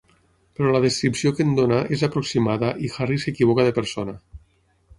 Però la descripció que en dóna és aproximada i Harry s'equivoca de persona.